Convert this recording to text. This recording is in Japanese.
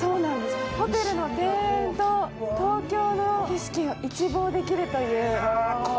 ホテルの庭園と東京の景色を一望できるという。